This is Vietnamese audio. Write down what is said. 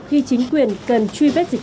khi chính quyền cần truy vết dịch bệnh